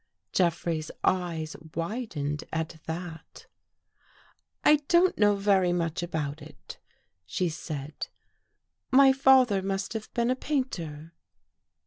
Jeffrey's eyes widened at that. " I don't know very much about it," she said. " My father must have been a painter.